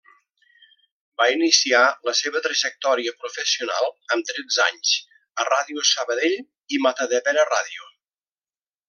Va iniciar la seva trajectòria professional amb tretze anys a Ràdio Sabadell i Matadepera Ràdio.